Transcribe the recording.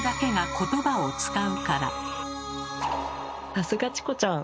さすがチコちゃん。